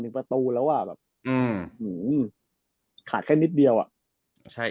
ประตูแล้วอ่ะแบบอืมขาดแค่นิดเดียวอ่ะใช่